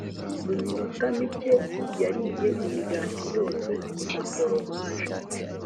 mu minota mike, yariye imigati yose na foromaje